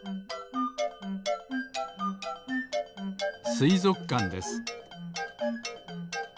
すいぞくかんです